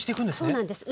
そうなんです。